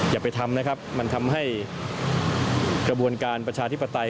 อย่าไปทำนะครับมันทำให้กระบวนการประชาธิปไตย